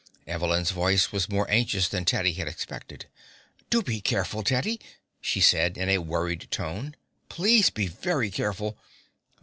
Evelyn's voice was more anxious than Teddy had expected. "Do be careful, Teddy," she said in a worried tone. "Please be very careful.